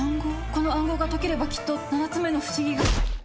この暗号が解ければきっと７つ目の不思議が。